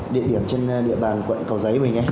địa điểm trên địa bàn quận cầu giấy mình